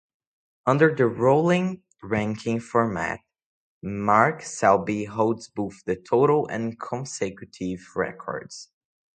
Under the rolling ranking format, Mark Selby holds both the total and consecutive records.